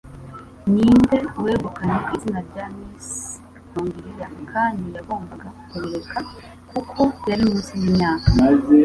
Ninde wegukanye izina rya 'Miss Hongiriya' kandi yagombaga kubireka kuko yari munsi yimyaka?